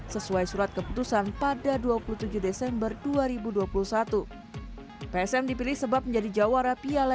dua ribu dua puluh dua sesuai surat keputusan pada dua puluh tujuh desember dua ribu dua puluh satu psm dipilih sebab menjadi jawara piala